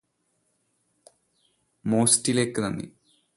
മൊസ്സിലക്ക് നന്ദി